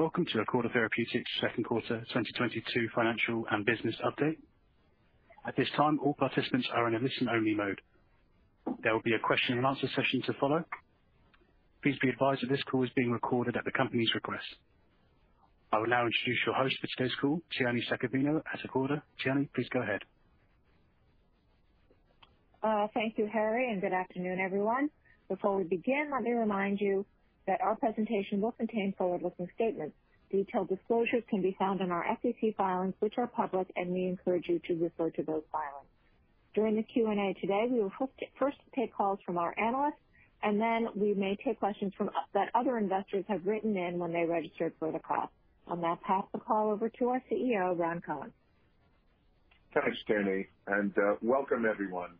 Welcome to Acorda Therapeutics second quarter 2022 financial and business update. At this time, all participants are in a listen-only mode. There will be a question-and-answer session to follow. Please be advised that this call is being recorded at the company's request. I will now introduce your host for today's call, Tierney Saccavino at Acorda. Tierney, please go ahead. Thank you, Harry, and good afternoon, everyone. Before we begin, let me remind you that our presentation will contain forward-looking statements. Detailed disclosures can be found in our SEC filings, which are public, and we encourage you to refer to those filings. During the Q&A today, we will first take calls from our analysts, and then we may take questions from other investors have written in when they registered for the call. I'll now pass the call over to our CEO, Ron Cohen. Thanks, Tierney, and welcome everyone.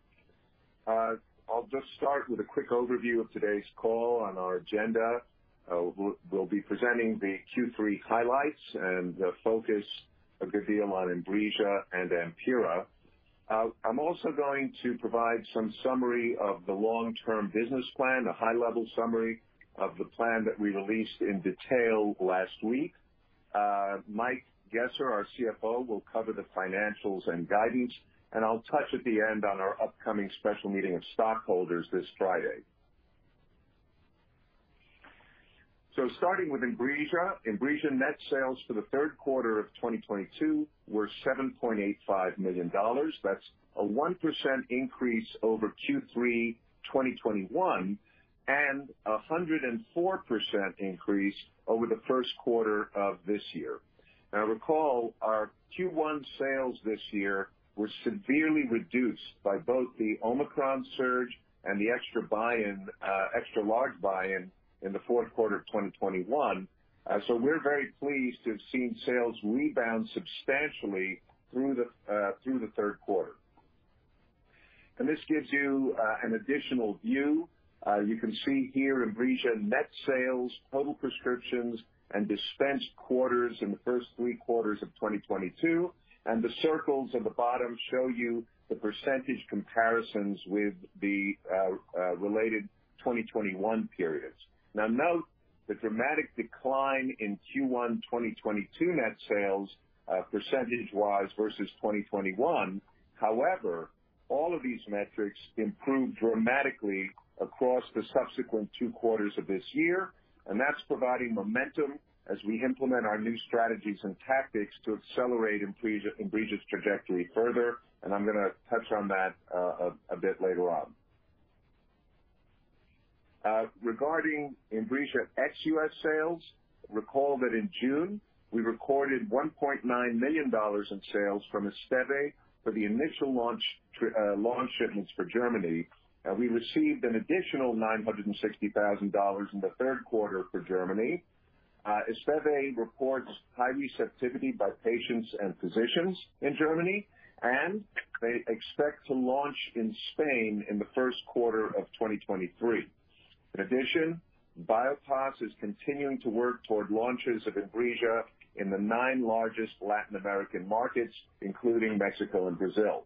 I'll just start with a quick overview of today's call on our agenda. We'll be presenting the Q3 highlights and the focus a good deal on INBRIJA and AMPYRA. I'm also going to provide some summary of the long-term business plan, a high-level summary of the plan that we released in detail last week. Mike Gesser, our CFO, will cover the financials and guidance, and I'll touch at the end on our upcoming special meeting of stockholders this Friday. Starting with INBRIJA. INBRIJA net sales for the third quarter of 2022 were $7.85 million. That's a 1% increase over Q3 2021 and a 104% increase over the first quarter of this year. Now recall, our Q1 sales this year were severely reduced by both the Omicron surge and the extra large buy-in in the fourth quarter of 2021. We're very pleased to have seen sales rebound substantially through the third quarter. This gives you an additional view. You can see here INBRIJA net sales, total prescriptions, and dispensed quarters in the first three quarters of 2022, and the circles at the bottom show you the percentage comparisons with the related 2021 periods. Now note the dramatic decline in Q1 2022 net sales, percentage-wise versus 2021. However, all of these metrics improved dramatically across the subsequent two quarters of this year, and that's providing momentum as we implement our new strategies and tactics to accelerate INBRIJA's trajectory further, and I'm gonna touch on that, a bit later on. Regarding INBRIJA ex-U.S. sales, recall that in June, we recorded $1.9 million in sales from ESTEVE for the initial launch shipments for Germany, and we received an additional $960,000 in the third quarter for Germany. ESTEVE reports high receptivity by patients and physicians in Germany, and they expect to launch in Spain in the first quarter of 2023. In addition, Biopas is continuing to work toward launches of INBRIJA in the nine largest Latin American markets, including Mexico and Brazil.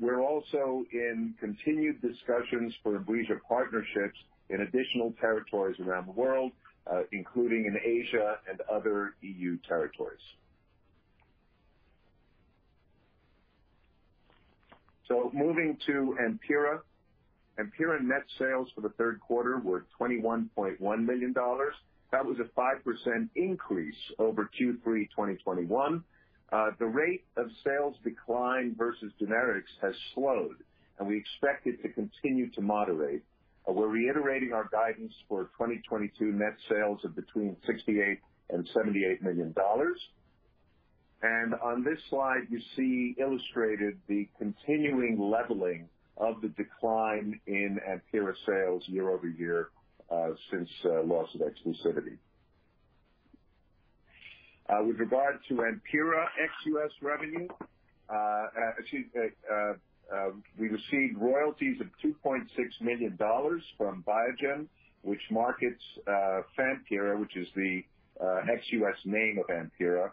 We're also in continued discussions for INBRIJA partnerships in additional territories around the world, including in Asia and other EU territories. Moving to AMPYRA. AMPYRA net sales for the third quarter were $21.1 million. That was a 5% increase over Q3 2021. The rate of sales decline versus generics has slowed, and we expect it to continue to moderate. We're reiterating our guidance for 2022 net sales of between $68 million and $78 million. On this slide, you see illustrated the continuing leveling of the decline in AMPYRA sales year-over-year since loss of exclusivity. With regard to AMPYRA ex-U.S. revenue, we received royalties of $2.6 million from Biogen, which markets FAMPYRA, which is the ex-U.S. name of AMPYRA.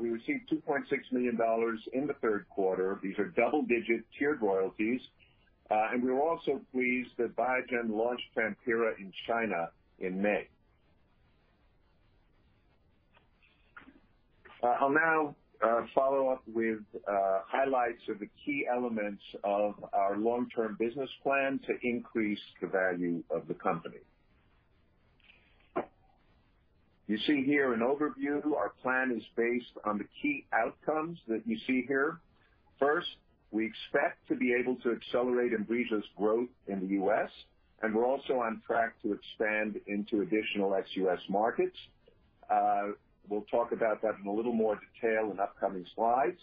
We received $2.6 million in the third quarter. These are double-digit tiered royalties. We're also pleased that Biogen launched FAMPYRA in China in May. I'll now follow up with highlights of the key elements of our long-term business plan to increase the value of the company. You see here an overview. Our plan is based on the key outcomes that you see here. First, we expect to be able to accelerate INBRIJA's growth in the U.S., and we're also on track to expand into additional ex-U.S. markets. We'll talk about that in a little more detail in upcoming slides.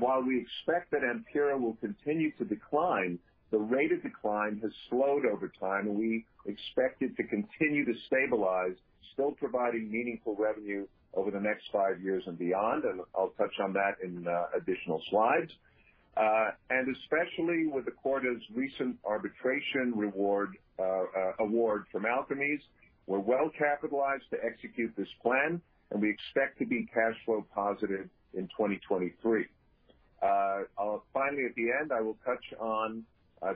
While we expect that AMPYRA will continue to decline, the rate of decline has slowed over time, and we expect it to continue to stabilize, still providing meaningful revenue over the next five years and beyond, and I'll touch on that in additional slides. Especially with Acorda's recent arbitration award from Alkermes, we're well-capitalized to execute this plan, and we expect to be cash flow positive in 2023. Finally, at the end, I will touch on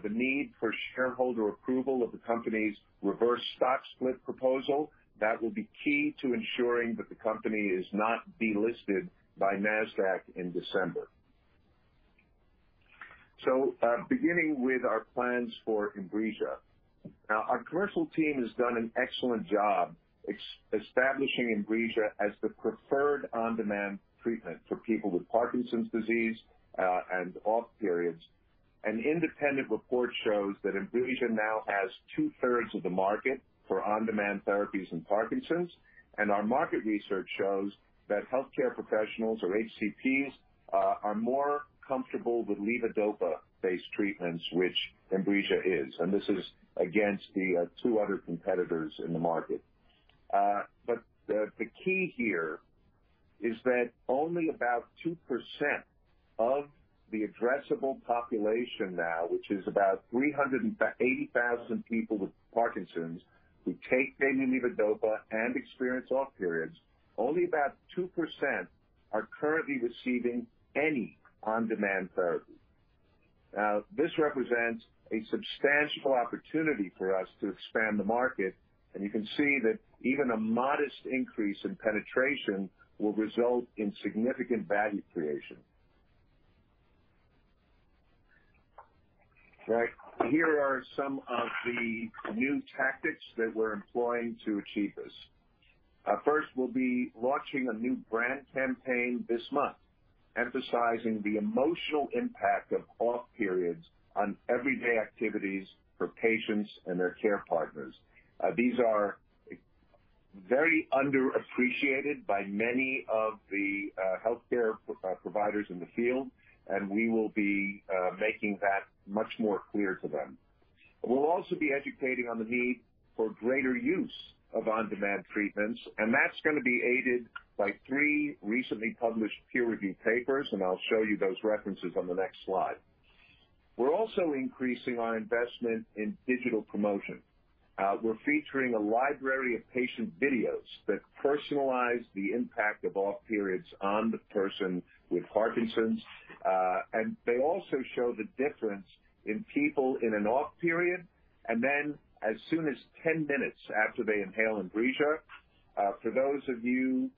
the need for shareholder approval of the company's reverse stock split proposal that will be key to ensuring that the company is not delisted by NASDAQ in December. Beginning with our plans for INBRIJA. Now, our commercial team has done an excellent job establishing INBRIJA as the preferred on-demand treatment for people with Parkinson's disease and OFF periods. An independent report shows that INBRIJA now has two-thirds of the market for on-demand therapies in Parkinson's, and our market research shows that healthcare professionals or HCPs are more comfortable with levodopa-based treatments, which INBRIJA is, and this is against the two other competitors in the market. The key here is that only about 2% of the addressable population now, which is about 380,000 people with Parkinson's who take daily levodopa and experience OFF periods, only about 2% are currently receiving any on-demand therapy. Now, this represents a substantial opportunity for us to expand the market, and you can see that even a modest increase in penetration will result in significant value creation. Right. Here are some of the new tactics that we're employing to achieve this. First, we'll be launching a new brand campaign this month emphasizing the emotional impact of OFF periods on everyday activities for patients and their care partners. These are very underappreciated by many of the healthcare providers in the field, and we will be making that much more clear to them. We'll also be educating on the need for greater use of on-demand treatments, and that's gonna be aided by three recently published peer-reviewed papers, and I'll show you those references on the next slide. We're also increasing our investment in digital promotion. We're featuring a library of patient videos that personalize the impact of OFF periods on the person with Parkinson's. They also show the difference in people in an OFF period, and then as soon as 10 minutes after they inhale INBRIJA. For those of you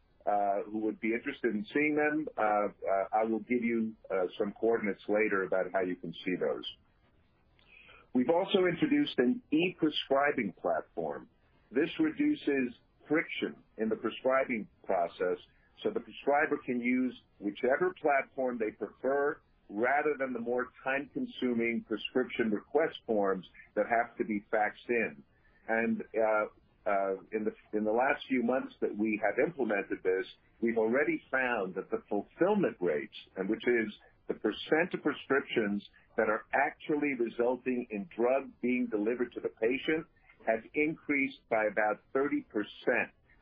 who would be interested in seeing them, I will give you some coordinates later about how you can see those. We've also introduced an e-prescribing platform. This reduces friction in the prescribing process, so the prescriber can use whichever platform they prefer rather than the more time-consuming prescription request forms that have to be faxed in. In the last few months that we have implemented this, we've already found that the fulfillment rates, and which is the percent of prescriptions that are actually resulting in drug being delivered to the patient, has increased by about 30%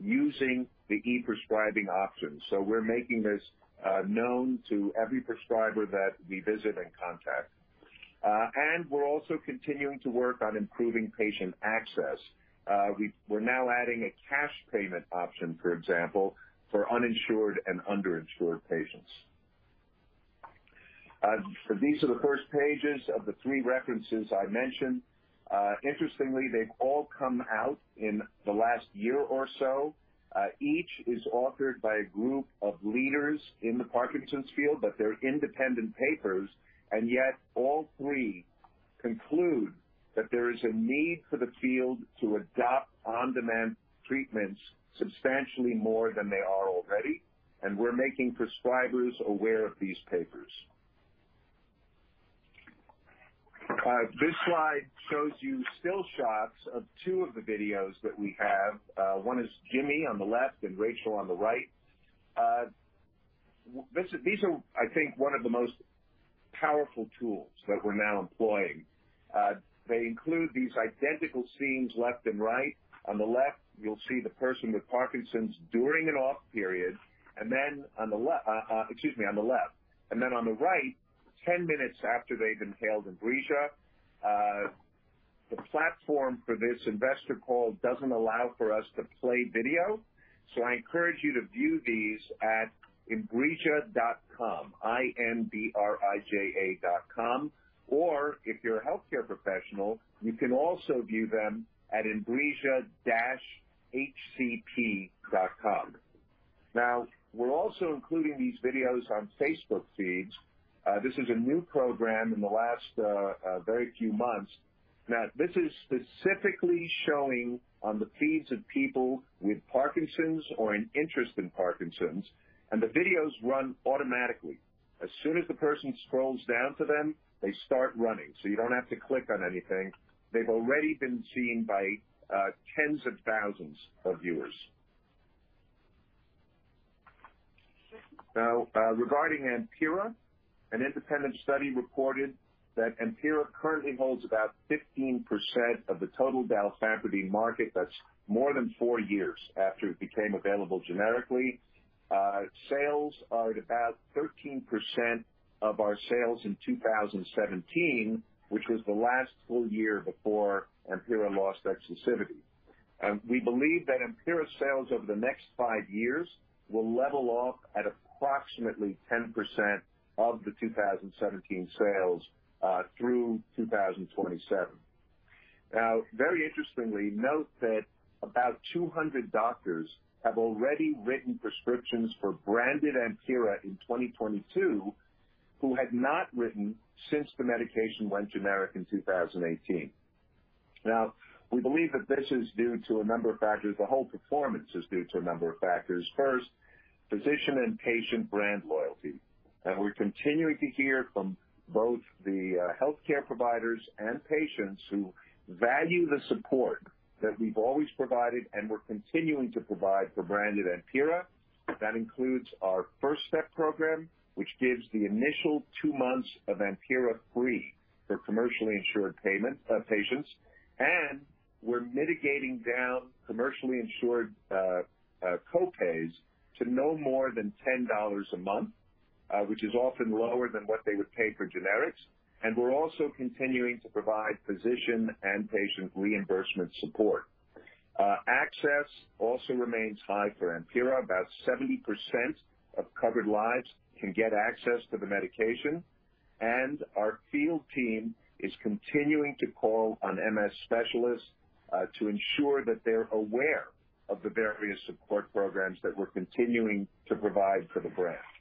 using the e-prescribing option. We're making this known to every prescriber that we visit and contact. We're also continuing to work on improving patient access. We're now adding a cash payment option, for example, for uninsured and underinsured patients. These are the first pages of the three references I mentioned. Interestingly, they've all come out in the last year or so. Each is authored by a group of leaders in the Parkinson's field, but they're independent papers, and yet all three conclude that there is a need for the field to adopt on-demand treatments substantially more than they are already, and we're making prescribers aware of these papers. This slide shows you still shots of two of the videos that we have. One is Jimmy on the left and Rachel on the right. These are, I think, one of the most powerful tools that we're now employing. They include these identical scenes left and right. On the left, you'll see the person with Parkinson's during an OFF period, and then on the right, 10 minutes after they've inhaled INBRIJA. The platform for this investor call doesn't allow for us to play video, so I encourage you to view these at inbrija.com, I-M-B-R-I-J-A dot com. Or if you're a healthcare professional, you can also view them at inbrija-hcp.com. Now, we're also including these videos on Facebook feeds. This is a new program in the last very few months. This is specifically showing on the feeds of people with Parkinson's or an interest in Parkinson's, and the videos run automatically. As soon as the person scrolls down to them, they start running. You don't have to click on anything. They've already been seen by tens of thousands of viewers. Now, regarding AMPYRA, an independent study reported that AMPYRA currently holds about 15% of the total dalfampridine market. That's more than four years after it became available generically. Sales are at about 13% of our sales in 2017, which was the last full year before AMPYRA lost exclusivity. We believe that AMPYRA sales over the next five years will level off at approximately 10% of the 2017 sales through 2027. Now, very interestingly, note that about 200 doctors have already written prescriptions for branded AMPYRA in 2022 who had not written since the medication went generic in 2018. Now, we believe that this is due to a number of factors. The whole performance is due to a number of factors. First, physician and patient brand loyalty. We're continuing to hear from both the healthcare providers and patients who value the support that we've always provided and we're continuing to provide for branded AMPYRA. That includes our First Step program, which gives the initial two months of AMPYRA free for commercially insured patients. We're mitigating down commercially insured co-pays to no more than $10 a month, which is often lower than what they would pay for generics. We're also continuing to provide physician and patient reimbursement support. Access also remains high for AMPYRA. About 70% of covered lives can get access to the medication, and our field team is continuing to call on MS specialists to ensure that they're aware of the various support programs that we're continuing to provide for the brand. Now,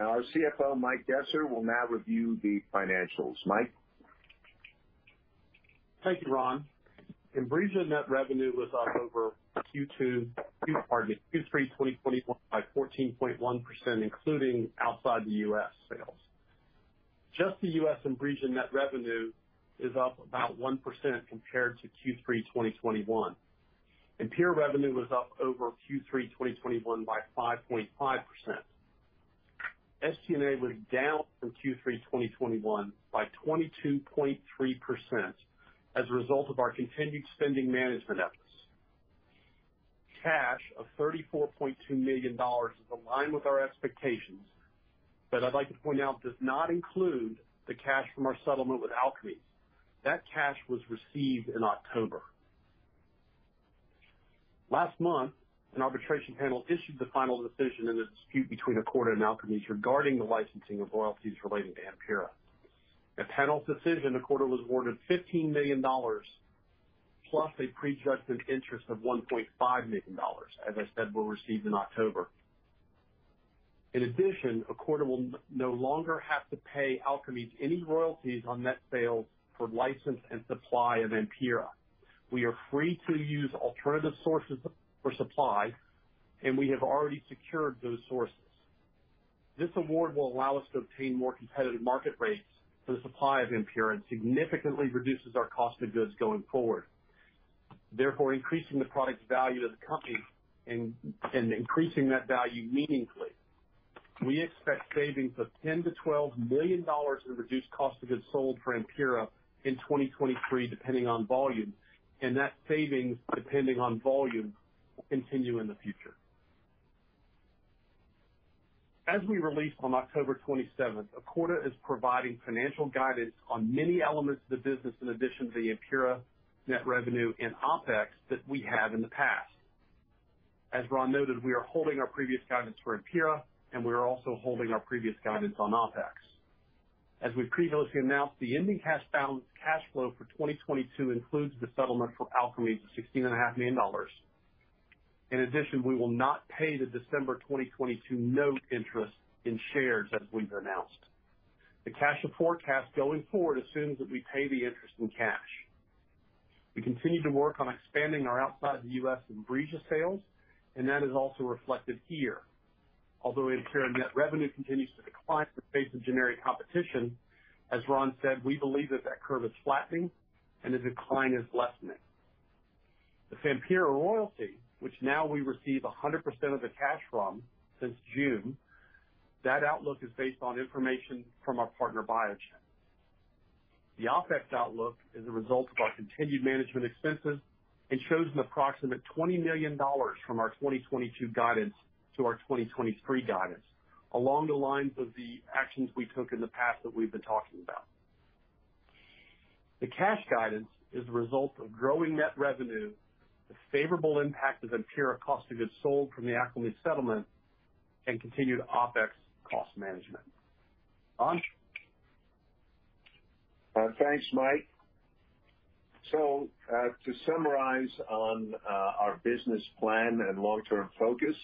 our CFO, Mike Gesser, will now review the financials. Mike? Thank you, Ron. INBRIJA net revenue was up Q3 2021 by 14.1%, including outside the U.S. sales. Just the U.S. INBRIJA net revenue is up about 1% compared to Q3 2021. AMPYRA revenue was up over Q3 2021 by 5.5%. SG&A was down from Q3 2021 by 22.3% as a result of our continued spending management efforts. Cash of $34.2 million is aligned with our expectations, but I'd like to point out does not include the cash from our settlement with Alkermes. That cash was received in October. Last month, an arbitration panel issued the final decision in the dispute between Acorda and Alkermes regarding the licensing of royalties relating to AMPYRA. The panel's decision. Acorda was awarded $15 million, plus prejudgment interest of $1.5 million, as I said, were received in October. In addition, Acorda will no longer have to pay Alkermes any royalties on net sales for license and supply of AMPYRA. We are free to use alternative sources for supply, and we have already secured those sources. This award will allow us to obtain more competitive market rates for the supply of AMPYRA and significantly reduces our cost of goods going forward, therefore increasing the product's value to the company and increasing that value meaningfully. We expect savings of $10 million-$12 million in reduced cost of goods sold for AMPYRA in 2023, depending on volume, and that savings, depending on volume, will continue in the future. As we released on October 27th, Acorda is providing financial guidance on many elements of the business in addition to the AMPYRA net revenue and OpEx that we have in the past. As Ron noted, we are holding our previous guidance for AMPYRA, and we are also holding our previous guidance on OpEx. As we've previously announced, the ending cash balance cash flow for 2022 includes the settlement for Alkermes, $16.5 million. In addition, we will not pay the December 2022 note interest in shares as we've announced. The cash forecast going forward assumes that we pay the interest in cash. We continue to work on expanding our outside the U.S. INBRIJA sales, and that is also reflected here. Although AMPYRA net revenue continues to decline in the face of generic competition, as Ron said, we believe that that curve is flattening and the decline is lessening. The AMPYRA royalty, which now we receive 100% of the cash from since June, that outlook is based on information from our partner, Biogen. The OpEx outlook is a result of our continued management expenses and shows an approximate $20 million from our 2022 guidance to our 2023 guidance along the lines of the actions we took in the past that we've been talking about. The cash guidance is a result of growing net revenue, the favorable impact of AMPYRA cost of goods sold from the Alkermes settlement, and continued OpEx cost management. Ron. Thanks, Mike. To summarize on our business plan and long-term focus,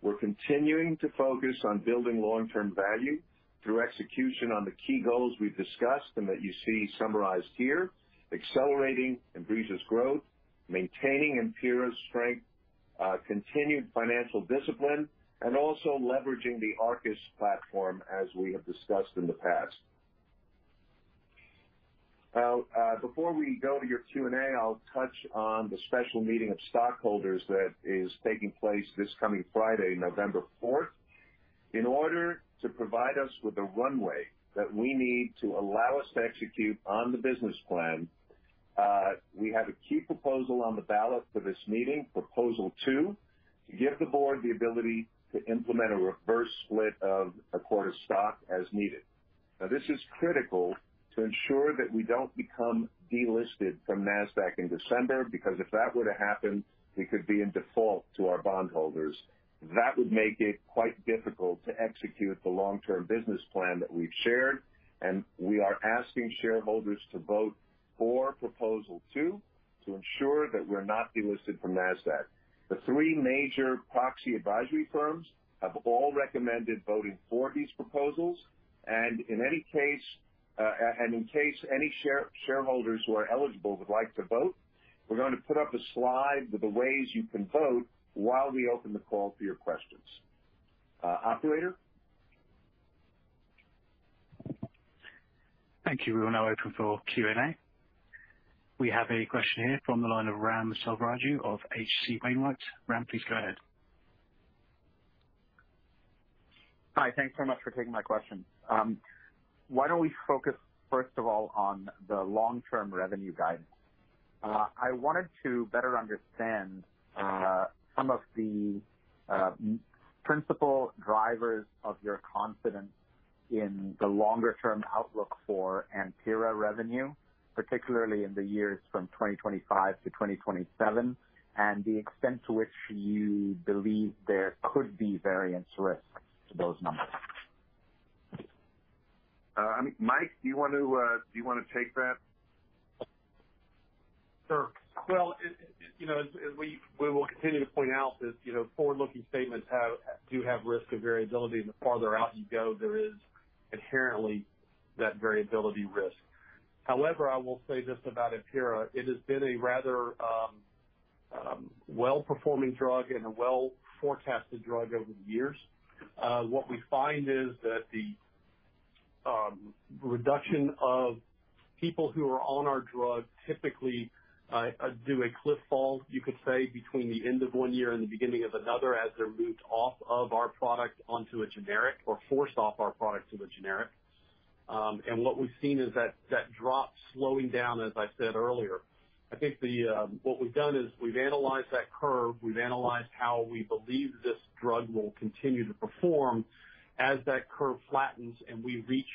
we're continuing to focus on building long-term value through execution on the key goals we've discussed and that you see summarized here. Accelerating INBRIJA's growth, maintaining AMPYRA's strength, continued financial discipline, and also leveraging the ARCUS platform as we have discussed in the past. Now, before we go to your Q&A, I'll touch on the special meeting of stockholders that is taking place this coming Friday, November 4th. In order to provide us with the runway that we need to allow us to execute on the business plan, we have a key proposal on the ballot for this meeting, Proposal Two. to give the board the ability to implement a reverse split of our stock as needed. Now, this is critical to ensure that we don't become delisted from NASDAQ in December, because if that were to happen, we could be in default to our bond holders. That would make it quite difficult to execute the long-term business plan that we've shared. We are asking shareholders to vote for Proposal Two to ensure that we're not delisted from NASDAQ. The three major proxy advisory firms have all recommended voting for these proposals. In any case, in case any shareholders who are eligible would like to vote, we're going to put up a slide with the ways you can vote while we open the call for your questions. Operator? Thank you. We will now open for Q&A. We have a question here from the line of Ram Selvaraju of H.C. Wainwright. Ram, please go ahead. Hi. Thanks so much for taking my question. Why don't we focus, first of all, on the long-term revenue guidance? I wanted to better understand some of the principal drivers of your confidence in the longer term outlook for AMPYRA revenue, particularly in the years from 2025-2027, and the extent to which you believe there could be variance risks to those numbers. Mike, do you wanna take that? Sure. Well, you know, we will continue to point out that, you know, forward-looking statements do have risk and variability. The farther out you go, there is inherently that variability risk. However, I will say this about AMPYRA. It has been a rather, well-performing drug and a well-forecasted drug over the years. What we find is that reduction of people who are on our drug typically do a cliff fall, you could say, between the end of one year and the beginning of another, as they're moved off of our product onto a generic or forced off our product to a generic. And what we've seen is that drop slowing down, as I said earlier. I think what we've done is we've analyzed that curve. We've analyzed how we believe this drug will continue to perform as that curve flattens and we reach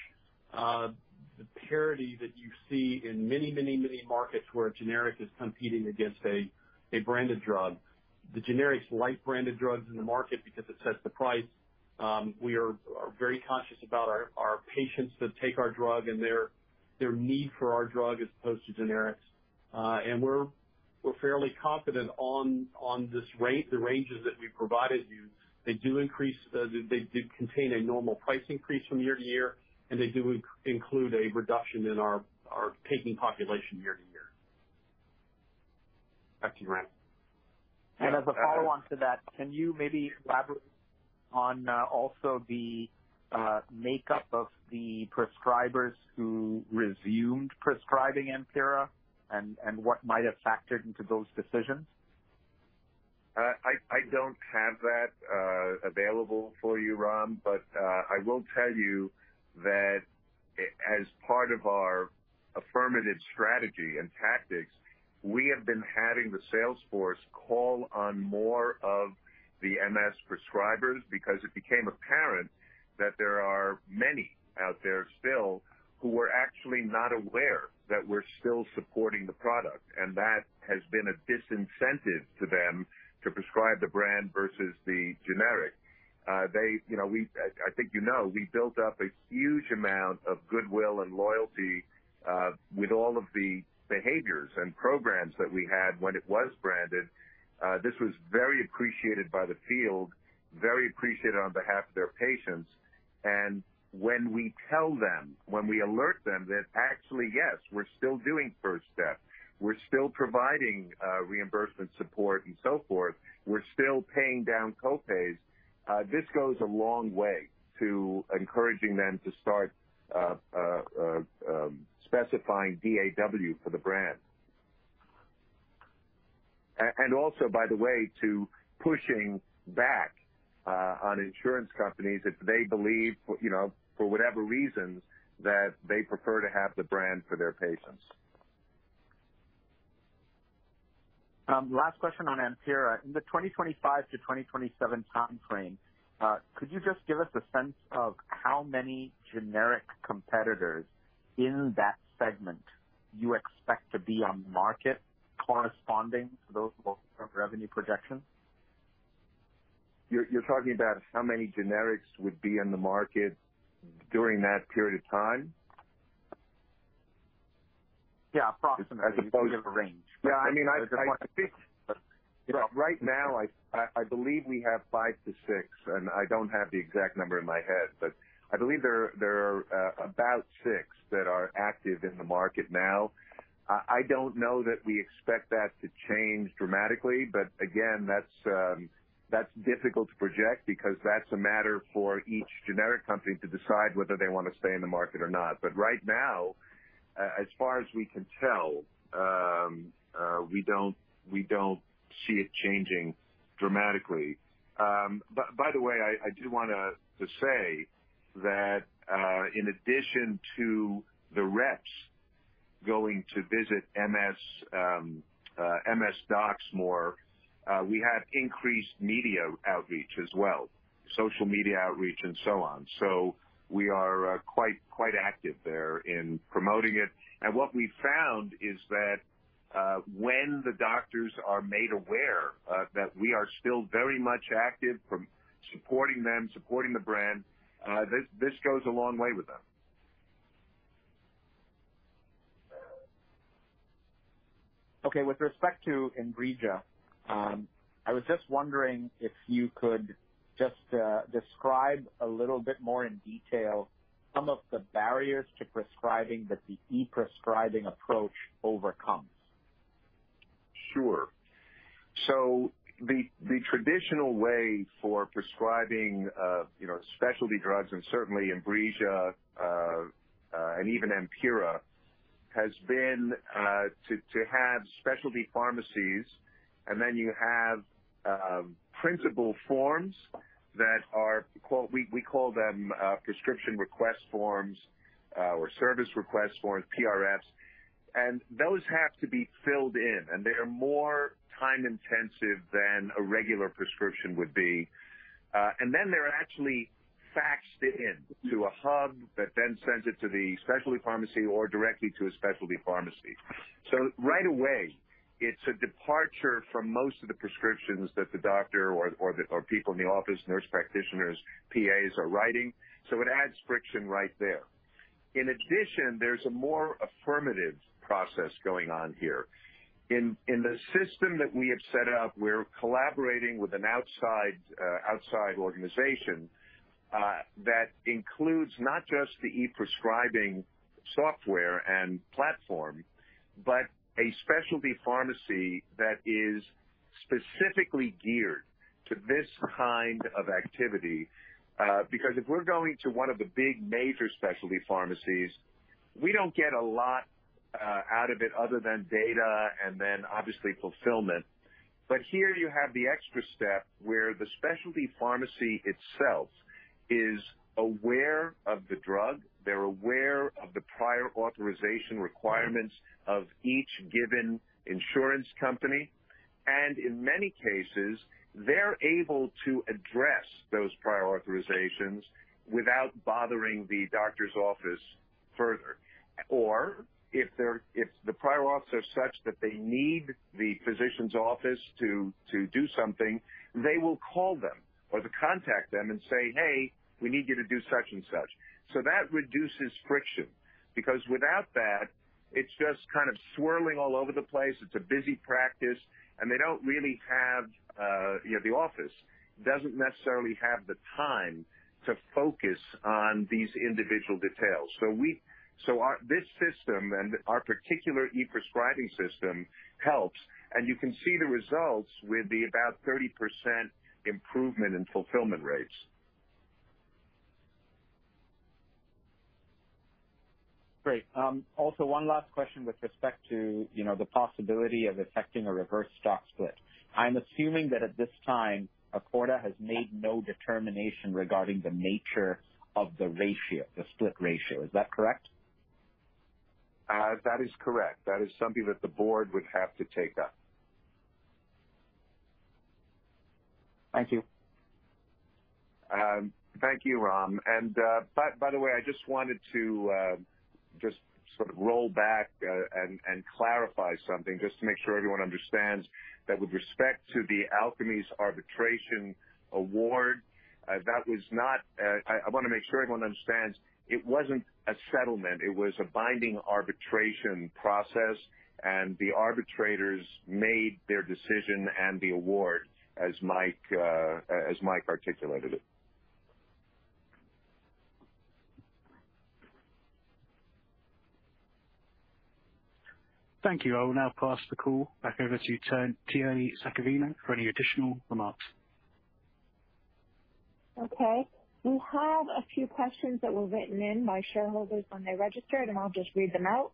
the parity that you see in many markets where a generic is competing against a branded drug. The generic's like branded drugs in the market because it sets the price. We are very conscious about our patients that take our drug and their need for our drug as opposed to generics. We're fairly confident on these ranges that we provided you. They do contain a normal price increase from year to year, and they do include a reduction in our taking population year to year. Back to you, Ram. As a follow-on to that, can you maybe elaborate on also the makeup of the prescribers who resumed prescribing AMPYRA and what might have factored into those decisions? I don't have that available for you, Ram, but I will tell you that as part of our affirmative strategy and tactics, we have been having the sales force call on more of the MS prescribers. Because it became apparent that there are many out there still who were actually not aware that we're still supporting the product, and that has been a disincentive to them to prescribe the brand versus the generic. They, you know, I think you know, we built up a huge amount of goodwill and loyalty with all of the behaviors and programs that we had when it was branded. This was very appreciated by the field, very appreciated on behalf of their patients. When we tell them, when we alert them that actually, yes, we're still doing first step, we're still providing reimbursement support and so forth. We're still paying down co-pays. This goes a long way to encouraging them to start specifying DAW for the brand. Also, by the way, to pushing back on insurance companies if they believe, you know, for whatever reasons, that they prefer to have the brand for their patients. Last question on AMPYRA. In the 2025-2027 time frame, could you just give us a sense of how many generic competitors in that segment you expect to be on market corresponding to those long-term revenue projections? You're talking about how many generics would be in the market during that period of time? Yeah, approximately. As opposed- Give a range. Yeah, I mean, I think. You know. Right now, I believe we have five to six, and I don't have the exact number in my head, but I believe there are about six that are active in the market now. I don't know that we expect that to change dramatically, but again, that's difficult to project because that's a matter for each generic company to decide whether they wanna stay in the market or not. Right now, as far as we can tell, we don't see it changing dramatically. By the way, I do want to say that in addition to the reps going to visit MS docs more, we have increased media outreach as well, social media outreach and so on. We are quite active there in promoting it. What we found is that, when the doctors are made aware that we are still very much active from supporting them, supporting the brand, this goes a long way with them. Okay. With respect to INBRIJA, I was just wondering if you could just describe a little bit more in detail some of the barriers to prescribing that the e-prescribing approach overcomes? Sure. The traditional way for prescribing, you know, specialty drugs and certainly INBRIJA, and even AMPYRA has been to have specialty pharmacies. Then you have prescription forms that we call prescription request forms or service request forms, PRFs. Those have to be filled in, and they are more time-intensive than a regular prescription would be. Then they're actually faxed in to a hub that then sends it to the specialty pharmacy or directly to a specialty pharmacy. Right away, it's a departure from most of the prescriptions that the doctor or people in the office, nurse practitioners, PAs are writing. It adds friction right there. In addition, there's a more affirmative process going on here. In the system that we have set up, we're collaborating with an outside organization that includes not just the e-prescribing software and platform, but a specialty pharmacy that is specifically geared to this kind of activity. Because if we're going to one of the big major specialty pharmacies, we don't get a lot out of it other than data and then obviously fulfillment. Here you have the extra step where the specialty pharmacy itself is aware of the drug, they're aware of the prior authorization requirements of each given insurance company, and in many cases, they're able to address those prior authorizations without bothering the doctor's office further. Or if the prior auths are such that they need the physician's office to do something, they will call them or to contact them and say, "Hey, we need you to do such and such." That reduces friction, because without that, it's just kind of swirling all over the place. It's a busy practice, and they don't really have, you know, the office doesn't necessarily have the time to focus on these individual details. This system and our particular e-prescribing system helps, and you can see the results with about 30% improvement in fulfillment rates. Great. Also one last question with respect to, you know, the possibility of effecting a reverse stock split. I'm assuming that at this time, Acorda has made no determination regarding the nature of the ratio, the split ratio. Is that correct? That is correct. That is something that the board would have to take up. Thank you. Thank you, Ram. By the way, I just wanted to just sort of roll back and clarify something just to make sure everyone understands that with respect to the Alkermes arbitration award, I wanna make sure everyone understands it wasn't a settlement. It was a binding arbitration process, and the arbitrators made their decision and the award, as Mike articulated it. Thank you. I will now pass the call back over to Tierney Saccavino for any additional remarks. Okay. We have a few questions that were written in by shareholders when they registered, and I'll just read them out.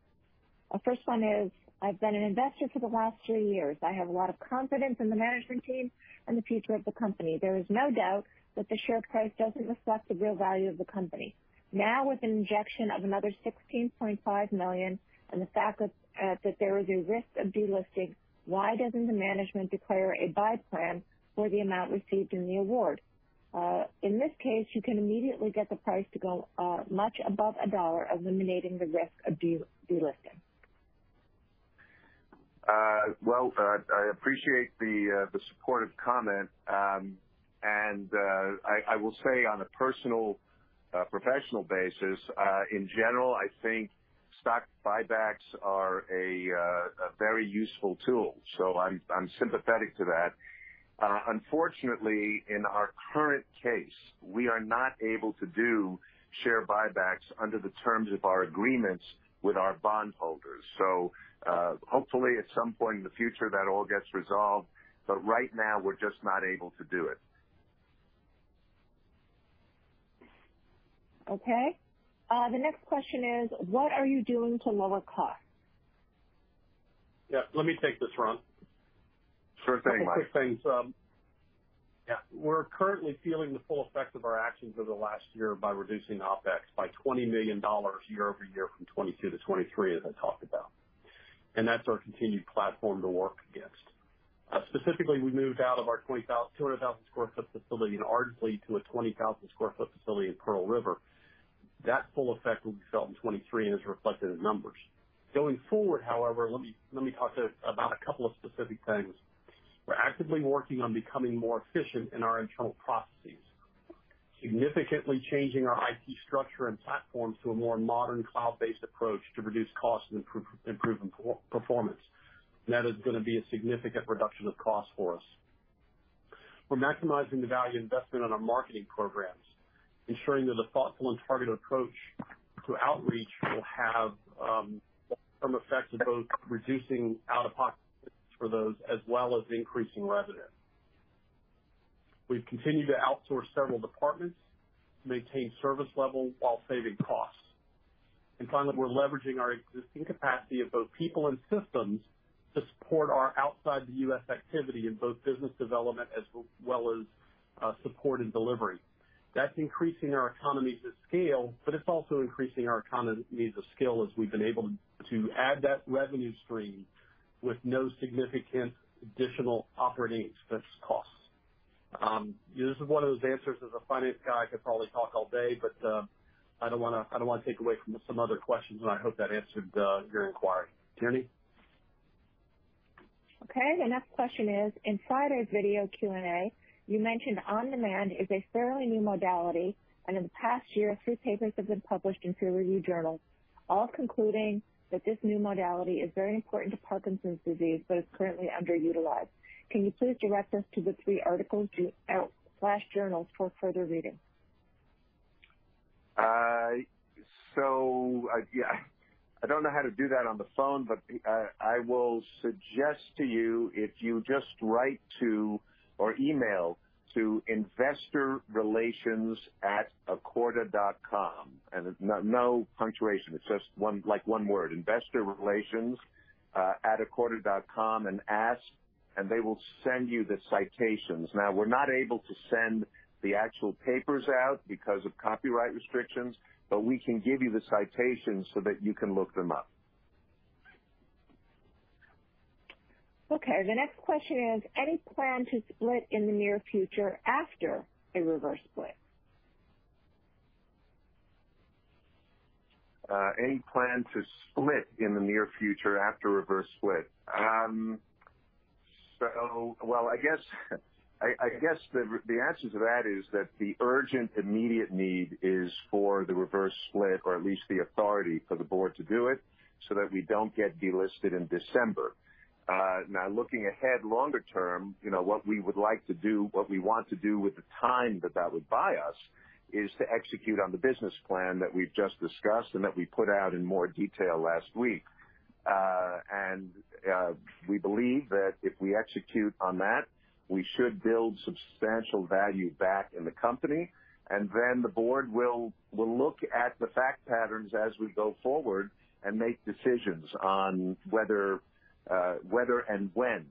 Our first one is: I've been an investor for the last three years. I have a lot of confidence in the management team and the future of the company. There is no doubt that the share price doesn't reflect the real value of the company. Now, with an injection of another $16.5 million and the fact that there is a risk of delisting, why doesn't the management declare a buy plan for the amount received in the award? In this case, you can immediately get the price to go much above $1, eliminating the risk of delisting. Well, I appreciate the supportive comment. I will say on a personal professional basis, in general, I think stock buybacks are a very useful tool. I'm sympathetic to that. Unfortunately, in our current case, we are not able to do share buybacks under the terms of our agreements with our bondholders. Hopefully at some point in the future that all gets resolved, but right now we're just not able to do it. Okay. The next question is: What are you doing to lower costs? Yeah, let me take this, Ron. Sure thing, Mike. I'll take things. Yeah, we're currently feeling the full effects of our actions over the last year by reducing OpEx by $20 million year-over-year from 2022-2023, as I talked about. That's our continued platform to work against. Specifically, we moved out of our 200,000 sq ft facility in Ardsley to a 20,000 sq ft facility in Pearl River. That full effect will be felt in 2023 and is reflected in numbers. Going forward, however, let me talk about a couple of specific things. We're actively working on becoming more efficient in our internal processes, significantly changing our IT structure and platforms to a more modern cloud-based approach to reduce costs and improve performance. That is gonna be a significant reduction of cost for us. We're maximizing the value investment on our marketing programs, ensuring that a thoughtful and targeted approach to outreach will have some effects of both reducing out-of-pocket costs for those as well as increasing revenue. We've continued to outsource several departments to maintain service levels while saving costs. Finally, we're leveraging our existing capacity of both people and systems to support our outside the U.S. activity in both business development as well as support and delivery. That's increasing our economies of scale, but it's also increasing our economies of scale as we've been able to add that revenue stream with no significant additional operating expense costs. This is one of those answers as a finance guy, I could probably talk all day, but I don't wanna take away from some other questions, and I hope that answered your inquiry. Tierney? Okay. The next question is, in Friday's video Q&A, you mentioned on-demand is a fairly new modality, and in the past year, three papers have been published in peer review journals, all concluding that this new modality is very important to Parkinson's disease, but is currently underutilized. Can you please direct us to the three articles through such journals for further reading? I don't know how to do that on the phone, but I will suggest to you if you just write to or email to investorrelations@acorda.com, and no punctuation. It's just one, like one word, investorrelations@acorda.com, and ask, and they will send you the citations. Now, we're not able to send the actual papers out because of copyright restrictions, but we can give you the citations so that you can look them up. Okay. The next question is any plan to split in the near future after a reverse split? Any plan to split in the near future after a reverse split? I guess the answer to that is that the urgent immediate need is for the reverse split, or at least the authority for the board to do it, so that we don't get delisted in December. Now looking ahead longer term, you know, what we would like to do, what we want to do with the time that that would buy us is to execute on the business plan that we've just discussed and that we put out in more detail last week. We believe that if we execute on that, we should build substantial value back in the company, and then the board will look at the fact patterns as we go forward and make decisions on whether and when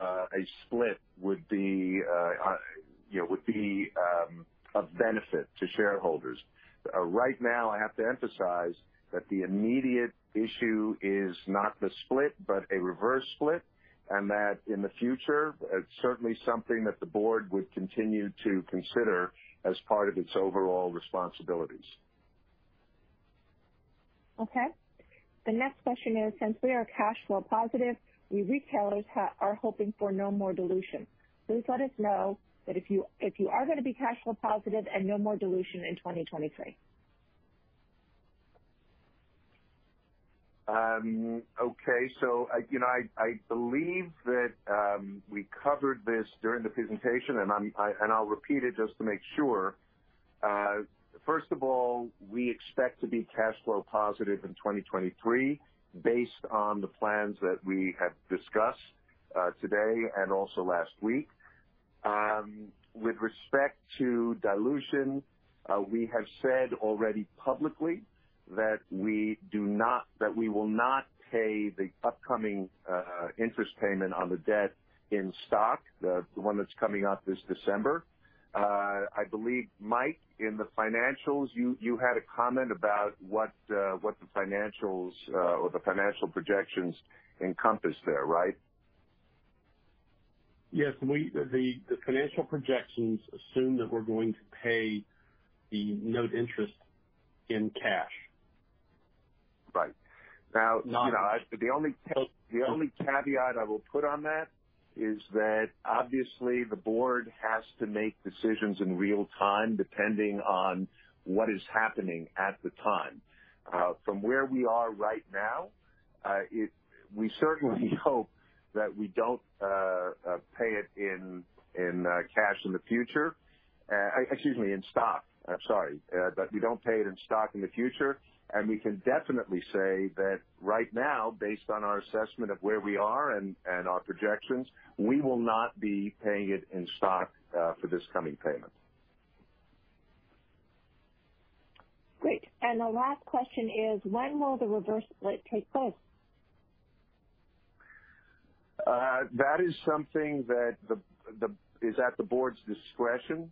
a split would be, you know, of benefit to shareholders. Right now, I have to emphasize that the immediate issue is not the split but a reverse split, and that in the future, it's certainly something that the board would continue to consider as part of its overall responsibilities. Okay. The next question is, since we are cash flow positive, we retailers are hoping for no more dilution. Please let us know that if you are gonna be cash flow positive and no more dilution in 2023. Okay. You know, I believe that we covered this during the presentation, and I'll repeat it just to make sure. First of all, we expect to be cash flow positive in 2023 based on the plans that we have discussed today and also last week. With respect to dilution, we have said already publicly that we will not pay the upcoming interest payment on the debt in stock, the one that's coming up this December. I believe, Mike, in the financials, you had a comment about what the financials or the financial projections encompass there, right? Yes. The financial projections assume that we're going to pay the note interest in cash. Right. Now- Not- You know, the only caveat I will put on that is that obviously the board has to make decisions in real time depending on what is happening at the time. From where we are right now, we certainly hope that we don't pay it in stock in the future. I'm sorry. We can definitely say that right now, based on our assessment of where we are and our projections, we will not be paying it in stock for this coming payment. Great. The last question is when will the reverse split take place? That is something that is at the board's discretion.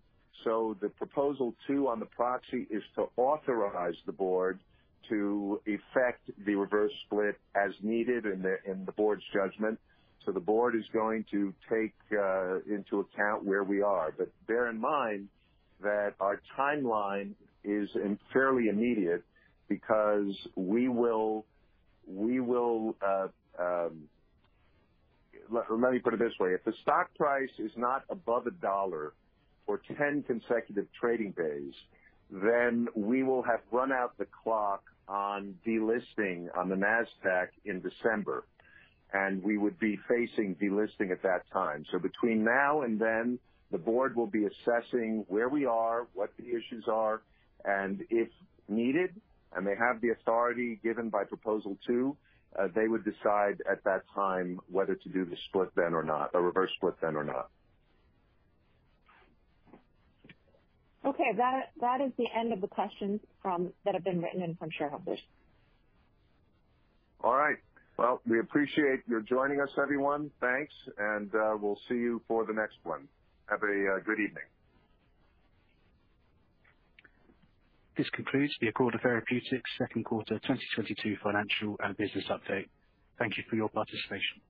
Proposal Two on the proxy is to authorize the board to effect the reverse split as needed in the board's judgment. The board is going to take into account where we are. Bear in mind that our timeline is fairly immediate because we will. Let me put it this way. If the stock price is not above $1 for 10 consecutive trading days, then we will have run out the clock on delisting on the NASDAQ in December, and we would be facing delisting at that time. Between now and then, the board will be assessing where we are, what the issues are, and if needed, and they have the authority given Proposal Two, they would decide at that time whether to do the split then or not, or reverse split then or not. Okay. That is the end of the questions that have been written in from shareholders. All right. Well, we appreciate you joining us, everyone. Thanks. We'll see you for the next one. Have a good evening. This concludes the Acorda Therapeutics second quarter 2022 financial and business update. Thank you for your participation.